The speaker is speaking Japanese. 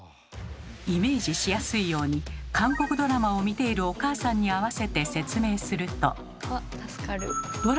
イメージしやすいように韓国ドラマを見ているおかあさんに合わせて説明すると。